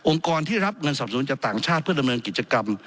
กรที่รับเงินสับสนุนจากต่างชาติเพื่อดำเนินกิจกรรม